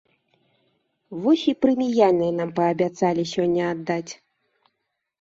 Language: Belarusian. Вось і прэміяльныя нам паабяцалі сёння аддаць.